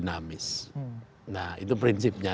nah itu prinsipnya